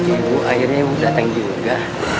eh ibu akhirnya udah ating juga